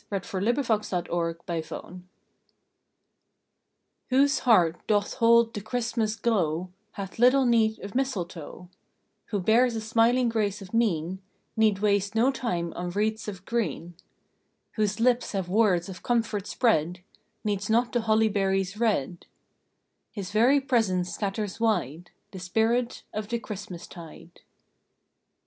December Twenty third THE CHRISTMAS SPIRIT heart doth hold the Christmas glow Hath little need of Mistletoe; Who bears a smiling grace of mien Need waste no time on wreaths of green; Whose lips have words of comfort spread Needs not the holly berries red His very presence scatters wide The spirit of the Christmastide.